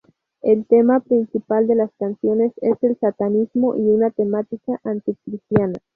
El tema principal de las canciones es el satanismo y una temática anti-cristiana.